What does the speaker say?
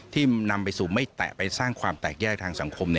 นำไปสู่ไม่แตะไปสร้างความแตกแยกทางสังคม